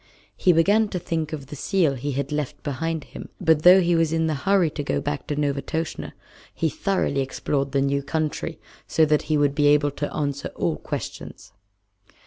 He began to think of the seal he had left behind him, but though he was in a hurry to go back to Novastoshnah, he thoroughly explored the new country, so that he would be able to answer all questions.